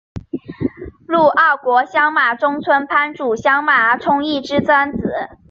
陆奥国相马中村藩主相马充胤之三子。